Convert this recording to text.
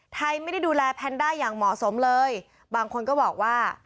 ไทยไม่ได้ดูแลแพนด้าอย่างเหมาะสมเลยบางคนก็บอกว่า